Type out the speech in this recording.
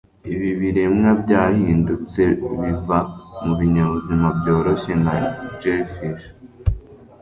Ibi biremwa byahindutse biva mubinyabuzima byoroshye nka jellyfish